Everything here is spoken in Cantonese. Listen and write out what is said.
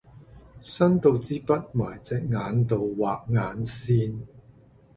伸到支筆埋隻眼度畫眼線